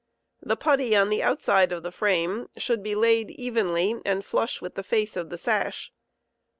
The putty on {lie outside of the frame should be laid evenly and flush with the face of the sash.